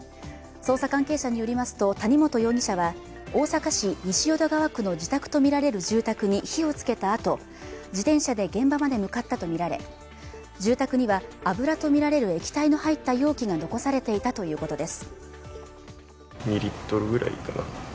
捜査関係者によりますと谷本容疑者は大阪市西淀川区の自宅とみられる住宅に火をつけたあと、自転車で現場まで向かったとみられ、住宅には油とみられる液体の入った容器が残されていたということです。